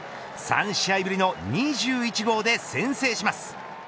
３試合ぶりの２１号で先制します。